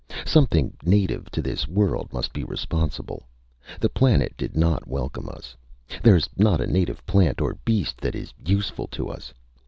Something native to this world must be responsible. The planet did not welcome us. There's not a native plant or beast that is useful to us!